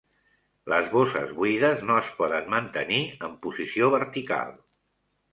Les bosses buides no es poden mantenir en posició vertical.